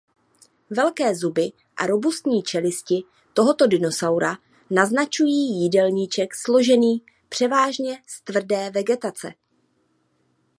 Velké zuby a robustní čelisti tohoto dinosaura naznačují jídelníček složený převážně z tvrdé vegetace.